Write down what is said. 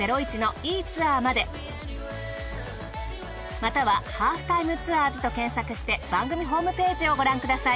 または『ハーフタイムツアーズ』と検索して番組ホームページをご覧ください。